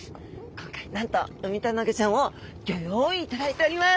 今回なんとウミタナゴちゃんをギョ用意いただいております！